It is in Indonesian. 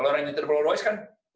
kalau orang yang mencari rolls royce